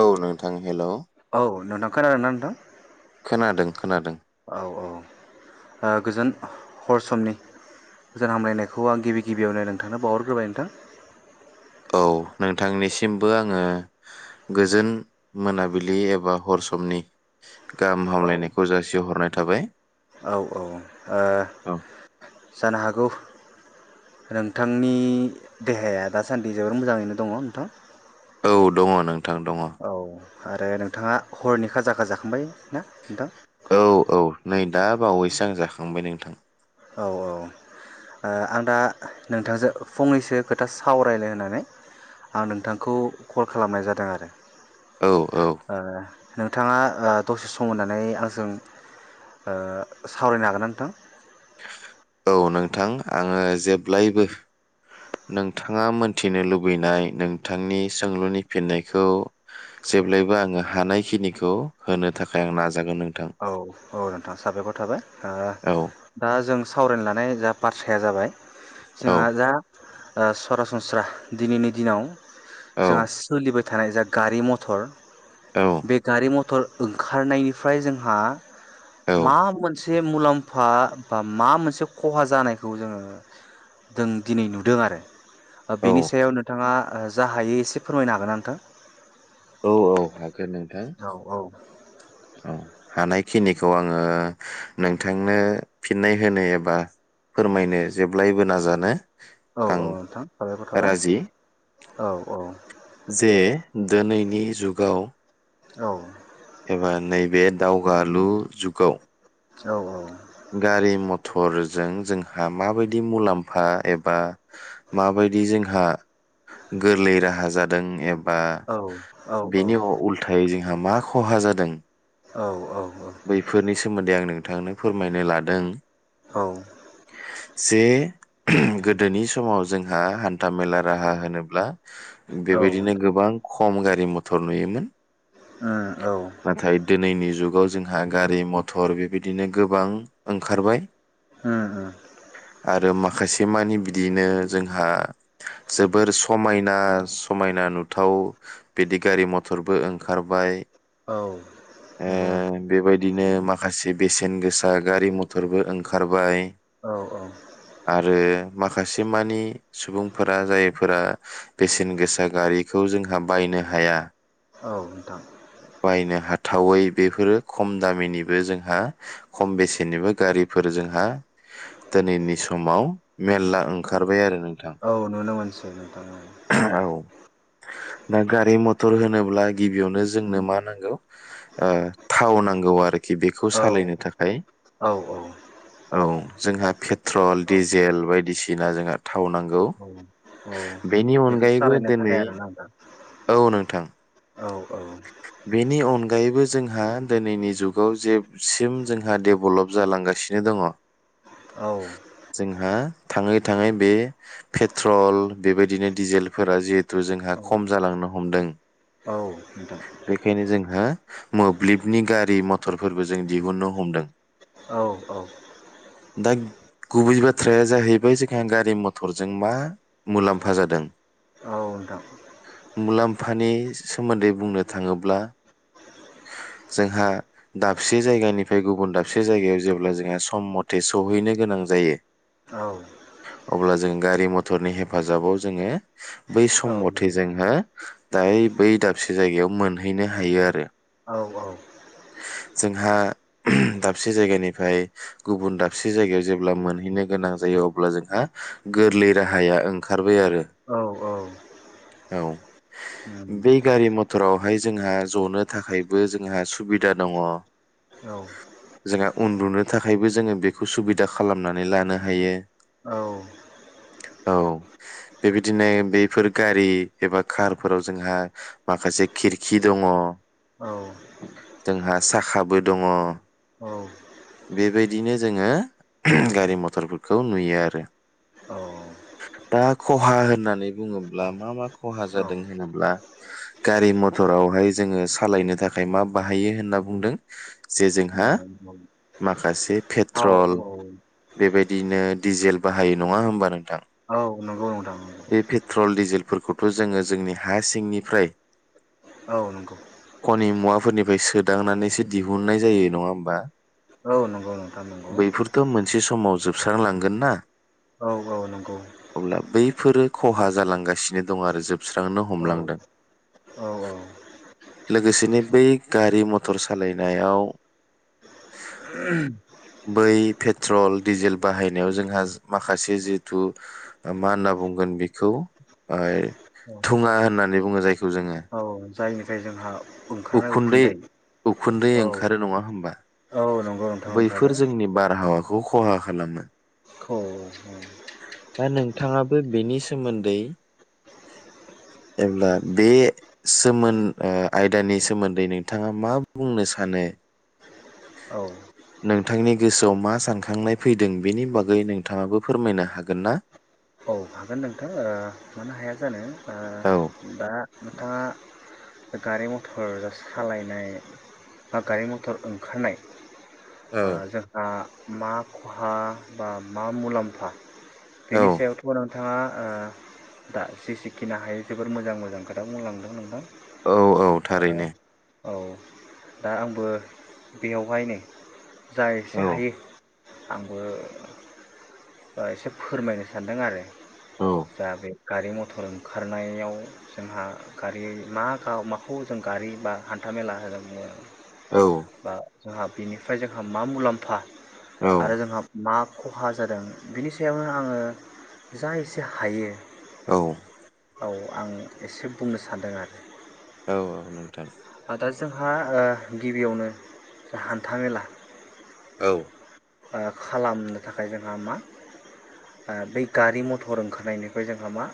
औ नोंथां, हेलौ औ नोंथां, खोनादोंना नोंथां? खोनादों खोनादों। औ औ, ओ गोजोन हर समनि गोजोन हामलायनायखौ आं गिबि गिबियावनो नोंथांनो बावहरग्रोबाय नोंथां। औ नोंथांनिसिमबो आङो गोजोन मोनाबिलि एबा हर समनि गाहाम औ हामलायनायखौ जासिहरनाय थाबाय। औ औ, ओ औ जानो हागौ नोंथांनि देहाया दासान्दि जोबोर मोजाङैनो दङ' नोंथां। औ दङ' नों ओं दङ'। औ आरो नोंथाङा हरनि खाजाखो जाखांबाय? ना नोंथां औ औ। नै दा बावैसो आं जाखांबाय नोंथां। औ औ, ओ आं दा नोंथांजों फंनैसो खोथा सावरायलायनो होननानै आं नोंथांखौ कल खालामनाय जादों आरो । औ औ ओ नोंथाङा ओ दसे सम होननानै आंजों ओ‌ सावरायनो हागोन ना नोंथां? औ नोंथां आङो जेब्लायबो नोंथाङा मोनथिनो लुबैनाय नोंथांनि सोंलुनि फिननायखौ जेब्लायबो आङो हानायखिनिखौ होनो थाखाय आं नाजागोन नोंथां। औ औ नोंथाङा साबायखर थाबाय। ओ औ दा जों सावरायनो लानाय जा बाथ्राया जाबाय औ जोंहा दा ओ सरासनस्रा दिनैनि दिनाव औ जा सोलिबाय थानाय जा गारि मथर बे औ गारि मथर ओंखारनायनिफ्राय जोंहा मा औ मोनसे से मुलाम्फा बा माबा मोनसे खहा जानायखौ जोङो जों दिनै नुदों आरो। ओ बेनि औ सायाव नोंथाङा। ओ जा हायो एसे फोरमायनो हागोना नोंथां। औ-औ हागोन नोंथां औ। हानायखिनिखौ आङो नोंथांनो फिननाय होनो एबा फोरमायनो जेब्लायबो नाजानो। आं औ-औ नोंथां साबायखर थाबाय राजि औ-औ। दोनैनि जुगाव। औ। एबा नैबे दावगालु जुगाव। औ गारि मथ। थरजों जोंहा माबायदि मुलाम्फा एबा माबायदि जोंहा गोरलै राहा जादों एब। बा औ बेनि उल्थायै जों। जोंहा मा। खहा जादों। औ-औ। बैफोरनि सोमोन्दै आं नोंथांनो फोरमायनो लादों। औ उम जे। गोदोनि समाव जोंहा हान्था मेला राहा होनोब्ला। औ बेबायदिनो उम गोबां ख। खम गारि मथर नुयोमोन। उम नाथाय दिनैनि जुगाव जो । आ गारि मथर बेबायदिनो गोबां। ओंखारबाय। आरो माखासे मानि बिदियैनो जोंहा जोबोर समायना-समायना नुथाव बिदि गारि मथरबो ओंखारबाय। औ नंगौ नोंथां। बिदिनो माखासे बेसेन गोसा गारि मथरबो ओंखारबाय। औ औ आरो माखासेमानि सुबुंफोरा जायफोरा बेसेन गोसा गारिखौ जोंहा बायनो हाया औ नोंथां थावै बेफोरो खम दामिनिबो जोंहा खम बेसेनिबो गारिफोर जोंहा दिनैनि समाव मेरला ओंखारबाय आरो नों औ नुनो मोनसै नोंथां औ। औ दा गारि मथर होनोब्ला गिबियावनो जोंनो मा नांगौ ओ थाव नांगौ आरोख खि बेखौ सालायनो थाखाय औ औ। जोंहा पेट्रल औ डिजेल बायदिसिना जोंहा थाव नांगौ। औ औ बेनि बेखौ अनगायैबो सालायनो दिनै थाखाय आरोना नोंथां औ नोंथां औ बेनि अन दायोबो जों हा दिनैनि जुगाव जेबसिम जोंहा डेभेलप जालांगासिनो दङ औ जोंहा थाङै थाङै बे पेट्रल बेबायदिनो डिजेलफोरा जिहेथु जोंहा खम जालांनो हमदों औ नोंथां बेखायनो जोंहा मोब्लिबनि गारि मथरफोरबो जों दिहुन्नो हमदों औ औ दा गुबै बाथ्राया जाहैबाय जोंहा गारि मटरजों मा मुलाम्फा जादों औ नोंथां मुलाम्फानि सोमोन्दै बुंनो थाङोब्ला जोंहा दाबसे जायगानिफ्राय गुबुन दाबसे जायगायाव जेब्ला जोंहा सम मथे सहैनो गोनां जायो औ अब्ला जों गारि मथरनि हेफाजाबाव जोङो बै सम मथे नंगौ जोंहा दायो बै दाबसे जायगायाव मोनहैनो हायो आरो। औ औ जोंहा दाबसे जायगानिफ्राय गुबुन दाबसे जायगायाव जेब्ला मोनहैनो गोनां जायो अब्ला जोंहा गोरलै राहाया ओंखारबाय आरो औ औ औ उम बे गारि मथरावहाय जोंहा जनो थाखायबो जोंहा सुबिदा दङ औ जोंहा उन्दुनो थाखायबो जोङो बेखौ सुबिदा खालामनानै लानो हायो औ औ बेबायदिनो बेफोर गारि एबा कारफोराव जोंहा माखासे खिरखि दङ। जोंहा साखाबो दङ बेबायदिनो जोङो गारि मथरफोरखौ नुयो आरो औ दा खहा होननानै बुङोब्ला मा मा खहा जादों होनोब्ला गारि मथरावहाय जोङो सा सालायनो थाखाय मा बाहायो होनना बुंदों जे जों हा माखासे पेट्रल औ बेबाय दिनो डिजेल बाहायो नङा होमबा नोंथां औ नंगौ नोंथां नंगौ बे पेट्रल डिजेलफोरखौथ' जोङो जोंनि हा सिंनिफ्राय औ नंगौ खनि मुवाफोरनिफ्राय सोदांनानैसो दिहुननाय जायो नङा होमबा? औ नोंथां नोंगौ। बैफोरथ' मोनसे समाव जोबस्रांलांगोन ना औ औ नंगौ अब्ला बैफोरो खहा जालांगासिनो दं आरो जोबस्रांनो औ हमलांदों। औ लोगोसेनो बै गारि मटर सालायनायाव बै पेट्रल डिजेल बाहायनायाव जोंहा माखासे जिहेथु मा होनना बुंगोन बेखौ ऐ थुङा होननानै बुङो जायखौ जोङो। [unintelligible] जायनिखाय जोंहा ओंखारनाय उखुन्दै उखुन्दै औ ओंखारो नङा होमबा औ नंगौ नोंथां ओंखारदो खौ खहा खालामो दा नोंथाङो बेनि सोमोन्दै जेब्ला बे सोमोन ओ आयदानि सोमोन्दै नोंथाङा मा बुंनो सानो औ नोंथांनि गोसोआव मा सानखांनाय फैदों बेनि बागै नोंथाङाबो फोरमायनो हागोन ना? औ हागोन नोंथां ओ मानो हाया जानो औ ओ दा नोंथाङा बे गारि मथ'र सालायनाय बा गारि मथर ओंखारनाय आ औ जोंहा मा खहा बा मा मुलाम्फा बिनि सायाव थाङा ओ दा जि सिखिनि हायो जोबोर मोजां मोजां खोथा बुंलांदों नोंथां। औ औ थारैनो। औ दा आंबो बेयावहायनो जा एसे औ हायो आंबो एसे फोरमायनो सानदों दों आरो औ दा बे गारि मथर ओंखारनायाव जोंहा गारि मा माखौ जों गारि बा हान्था मेला होनना बुङो औ बा जोंहा बेनिफ्राय जोंहा मा मुलाम्फा औ आरो जोंहा मा खहा जादों बिनि सायावनो आङो जा एसे हायो औ औ आं एसे बुंनो सानदों आरो औ औ नोंथां। दा जोंहा ओ गिबियावनो ओ हान्था मेला औ ओ खालामनो थाखाय जोंहा मा ओ बै गारि मथर ओंखारनायनिफ्राय जोंहा मा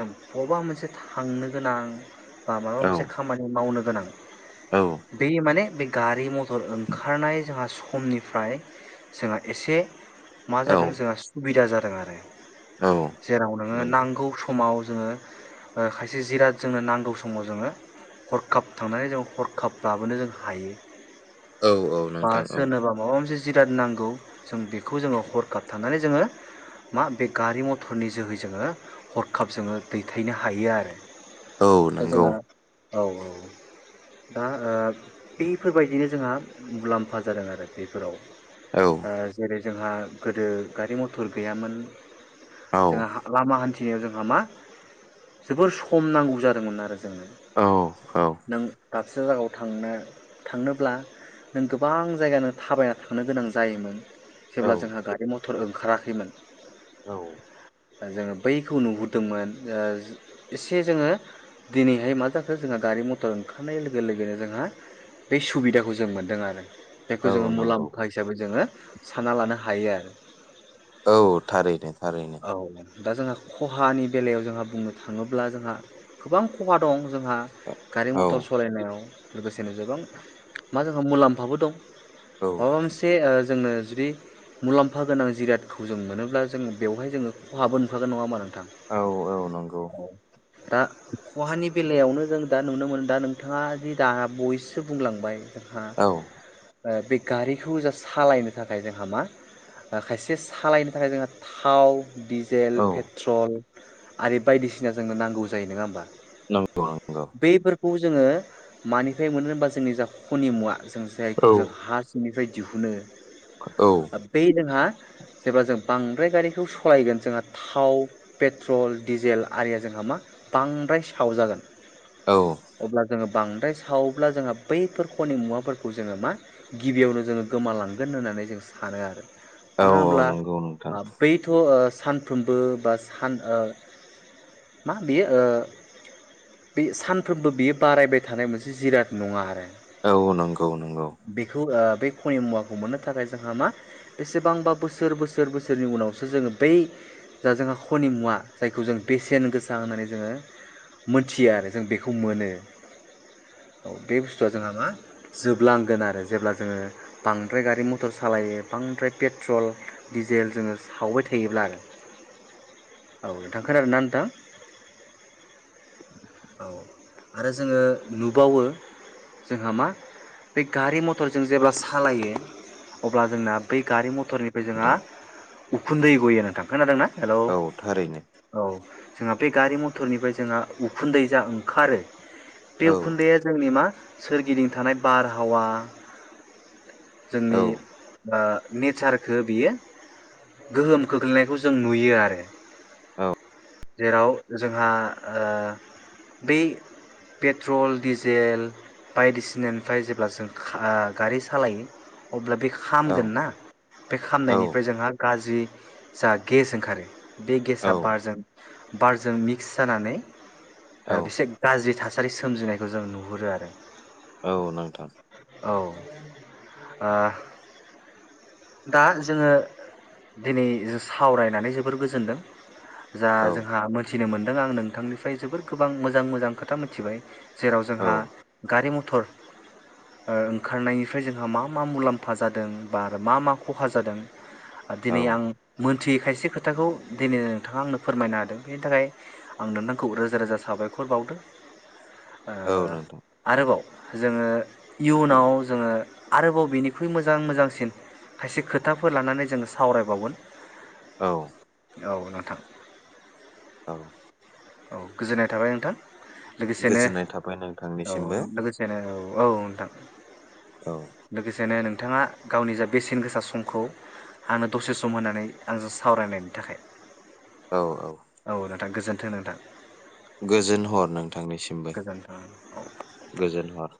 जों ब'बबा मोनसे थांनो गोनां बा माबा औ मोनसे खामानि मावनो गोनां बे माने बे गारि मथर ओंखारनाय जोंहा समनिफ्राय जोंहा एसे मा औ जादों जोंहा सुबिदा जाद दों आरो। जेराव नोङो नंगौ नांगौ स समाव जोङो ओ खायसे जिराद जोंनो नांगौ समाव जोङो हरखाब थांनानै जो हरखाब लाबोनो जों हायो। औ औ बा नोंथां औ सोरनोबा माबा मोनसे जिराद नांगौ जों बेखौ जोङो हरखाब थानानै जोङो मा बे गारि मथरनि जोहै जोङो हरखाब जोङो दैथायनो हायो आरो। औ दा नंगौ। जोंहा औ औ दा ओ बेफोरबायदिनो जोंहा मुलाम्फा जादों आरो बेफोराव औ ओ जेरै जोंहा गोदो गारि मथर गैयामोन औ जों हां लामा हान्थि थियाव जोंहा मा जोबोर सम नांगौ जादोंमोन आरो। जोंनो औ औ नों दाबसे जायगायाव थांनो थांनोब्ला नों गोबां जायगानो थाबायना थांनो गोनां जायोमोन। औ जेब्ला जोंहा गारि मट थर ओंखाराखैमोन। औ ओ जोङो बैखौ नुहुरदोंमोन। ओ एसे जोङो दिनैहाय मा जाखो जोंहा गारि मथर ओंखारनाय लोगो लोगोनो जोंहा बै सुबिदाखौ जों मोन दों आरो। बेखौ औ जोङो नंगौ मुलाम्फा हिसाबै जोङो सानना लानो हायो आरो। औ थारैनो थारैनो। औ दा जोंहा खहानि बेलायाव जोंहा बुंनो थाङोब्ला जोंहा गोबां खहा दं जोंहा औ गारि मटर औ सलायनायाव लोगोसेनो गोबां मा जों ओ मुलाम्फाबो दं। माबा औ मोनसे ओ जोंनो जुदि मुलाम्फा गोनां जिरादखौ जों मोनोब्ला जों बेवहाय जोङो खहाबो नुखागोन नङा होमबा औ नंगौ [unintelligible] दा खहानि बेलायावनो जों दा नुनो मोनो दा नोंथाङा जि दा बयसो बुंलांबाय जोंहा औ बे गारिखौ जों सालायनो थाखाय जोंहा मा खायसे सालायनो थाखाय जोंहा थाव डिजेल औ पेट्रल आरो बायदिसिना जोंनो नांगौ जायो नङा होमबा [unintelligible] खौ जोङो मानिफ्राय मोनो होमबा जोंनि जा खनि मुवा जों औ जायखौ जों हा सिंनिफ्राय दिहुनो औ बेै जोंहा जेब्ला जों बांद्राय गारिखौ सलायगोन जोंहा थाव पेट्रल डिजेल आरिया जोंहा मा बांद्राय साव जागोन औ अब्ला जोङो बांद्राय सावोब्ला जोंहा बैफोर खनि मुवाफोरखौ जोङो मा गिबियावनो जोङो गोमालांगोन होननानै जों सानो आरो औ मानो होनोब्ला नंगौ नोंथां बैथ ओ सानफ्रोमबो बा सान ओ मा बियो ओ बे सानफ्रोमबो बियो बारायबाय थानाय मोनसे जिराद नङा आरो औ नंगौ नंगौ बेखौ बे खनि मुवाखौ मोननो थाखाय जोंहा मा बेसेबांबा बोसोर बोसोर बोसोरनि उनावसो जोङो बै जा जोंहा खनि मुवा जायखौ जों बेसेन गोसा होननानै जोङो मोनथियो आरो जों बेखौ मोनो औ बे बुस्थुआ जोंहा मा जोबलांगोन आरो जेब्ला जोङो बांद्राय गारि मथर सालायो बांद्राय पेट्रल डिजेल जोङो सावबाय थायोब्ला आरो औ नोंथां खोनादों ना नोंथां औ आरो जोङो नुबावो जोंहा मा बे गारि मटरजों जेब्ला सालायो अब्ला जोंना बै गारि मटरनिफ्राय जोंहा नोंथां उखुन्दै गयो नोंथां खोनादोंना हेलौ औ थारैनो औ जोंहा बे गारि मथरनिफ्राय जोंहा उखुन्दै जा ओंखारो बे औ उखुन्दैया जोंनि मा सोरगिदिं थानाय बारहावा औ जोंनि नेचारखौ बियो गोहोम खोख्लैनायखौ जों नुयो आरो औ जेराव जोंहा बै पेट्रल डिजेल बायदिसि बिनिफ्राय जेब्ला जों गारि सालायो अब्ला बे औ खामगोन ना बे औ खामनायनिफ्राय जोंहा गाज्रि जा गेस ओंखारो बे गेसा औ बारजों बारजों मिक्स जानानै औ बिसे गाज्रि थासा थासारि सोमजिनायखौ जों नुहुरो आरो। औ नोंथां औ दा जोङो दिनै सावरायनानै जोबोर गोजोनदों । जा औ जोंहा मोनथि मिथिनो मोनदों आं नोंथांनिफ्राय जोबोर गोबां मोजां मोजां खोथा मिथिबाय। जेराव औ जोंहा गारि मथ थर ओ ओंखारनायनिफ्राय जोंहा मा मा मुलाम्फा जादों बा मा मा खहा जादों। औ दिनै आं मोनथियै खायसे खोथाखौ दिनै नोंथाङा आंनो फोरमायनो हादों बेनि थाखाय आं नोंथांखौ रोजा रोजा साबायखर बावदो। ओ औ नोंथां आरोबाव जोङो इयुनाव जोङो आरोबाव बेनिख्रुइ मोजां मोजांसिन खायसे खोथाफोर लानानै जोङो सावरायबावगोन। औ औ नोंथां औ औ गोजोननाय थाबाय नोंथां। लोगोसेनो गोजोननाय थाबाय औ नोंथांनिसिमबो। लोगोसेनो औ औ नोंथां औ लोगोसेनो नों थाङा गावनि जा बेसेन गोसा समखौ आंनो दसे सम होननानै आंजों सावरायनायनि थाखाय। औ औ नोंथां गोजोन्थों नोंथां। गोजोन औ हर नोंथांनिसिमबो गोजोन्थों गोजोन हर